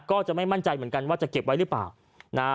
ก็จะไม่มั่นใจเหมือนกันว่าจะเก็บไว้หรือเปล่านะฮะ